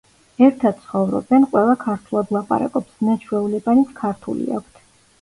ერთად ცხოვრობენ, ყველა ქართულად ლაპარაკობს, ზნე–ჩვეულებანიც ქართული აქვთ.